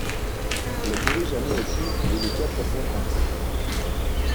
La durée germinative est de quatre à cinq ans.